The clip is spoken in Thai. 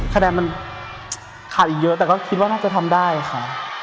คะแนนมันขาดอีกเยอะแต่ก็คิดว่าน่าจะทำได้ค่ะ